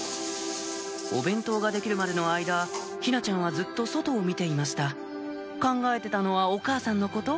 お弁当が出来るまでの間陽菜ちゃんはずっと外を見ていました考えてたのはお母さんのこと？